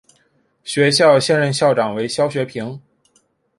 学校现任校长为肖学平。